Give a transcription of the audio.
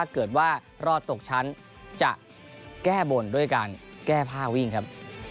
เกิดว่ารอดตกชั้นจะแก้บนด้วยการแก้ผ้าวิ่งครับ